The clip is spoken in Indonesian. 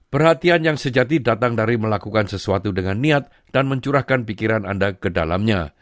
perhatian yang sejati datang dari melakukan sesuatu dengan niat dan mencurahkan pikiran anda ke dalamnya